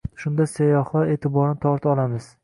Shunda sayyohlar e’tiborini torta olamiz.